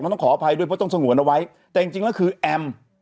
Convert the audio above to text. ต้องขออภัยด้วยเพราะต้องสงวนเอาไว้แต่จริงแล้วคือแอม